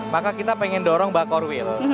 maka kita pengen dorong mbak korwil